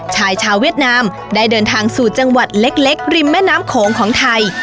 ชายชาวเวียดนามได้เดินทางสู่จังหวัดเล็กริมแม่น้ำโขงของไทย